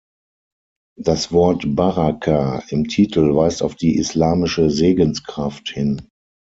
Das Wort „Baraka“ im Titel weist auf die islamische „Segenskraft“ hin.